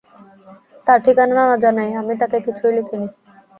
তাঁর ঠিকানা না জানায় আমি তাঁকে কিছুই লিখিনি।